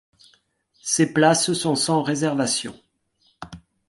Ces places sont sans réservation.